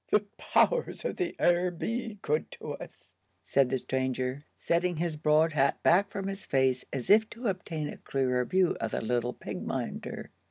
"The powers of the air be good to us!" said the stranger, setting his broad hat back from his face, as if to obtain a clearer view of the little pig minder.